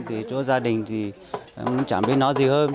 thì chỗ gia đình thì cũng chẳng biết nói gì hơn